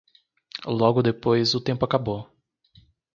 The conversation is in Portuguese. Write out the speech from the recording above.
Logo depois o tempo acabou.